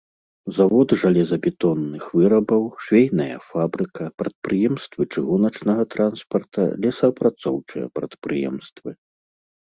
Завод жалезабетонных вырабаў, швейная фабрыка, прадпрыемствы чыгуначнага транспарта, лесаапрацоўчыя прадпрыемствы.